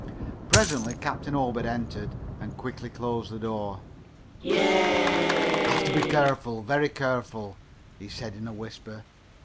Presently Captain Obed entered and quickly closed the door. "Have to be very careful very careful," he said in a whisper.